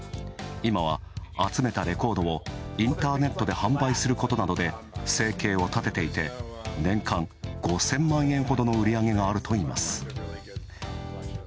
今は集めたレコードをインターネットで販売することで生計を立てていて、年間５０００万円ほどの売り上げがあるといいます。